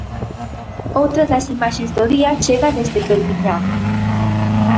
Outra das imaxes do día chega desde Perpiñán.